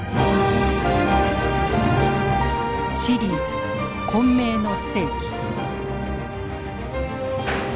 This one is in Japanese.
シリーズ「混迷の世紀」。